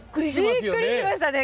びっくりしましたね。